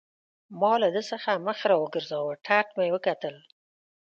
ما له ده څخه مخ را وګرځاوه، ټاټ مې وکتل.